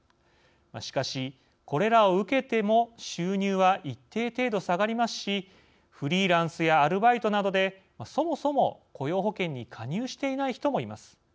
しかし、これらを受けても収入は一定程度下がりますしフリーランスやアルバイトなどでそもそも雇用保険に加入していない人もいます。